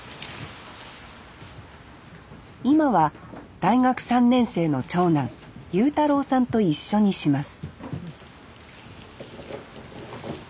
今は大学３年生の長男悠太郎さんと一緒にします